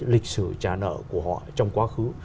lịch sử trả nợ của họ trong quá khứ